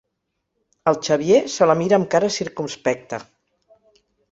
El Xavier se la mira amb cara circumspecta.